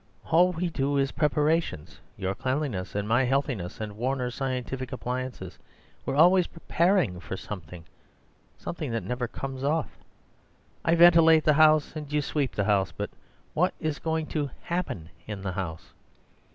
All we do is preparations—your cleanliness, and my healthiness, and Warner's scientific appliances. We're always preparing for something—something that never comes off. I ventilate the house, and you sweep the house; but what is going to HAPPEN in the house?"